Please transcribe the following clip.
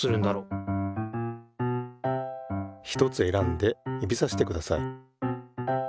ひとつ選んで指さしてください。